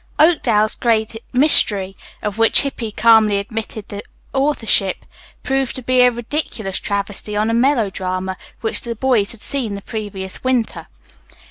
"Oakdale's Great Mystery," of which Hippy calmly admitted the authorship, proved to be a ridiculous travesty on a melodrama which the boys had seen the previous winter.